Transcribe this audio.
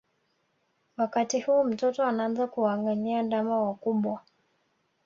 Wakati huu mtoto anaanza kuwaangalia ndama wakubwa